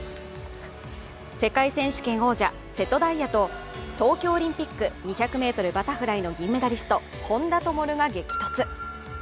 世界選手権王者・瀬戸大也と東京オリンピック・２００ｍバタフライの銀メダリスト、本多灯が激突。